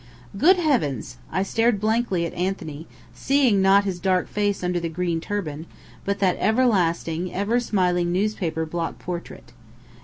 "Good heavens!" I stared blankly at Anthony, seeing not his dark face under the green turban, but that everlasting, ever smiling newspaper block portrait.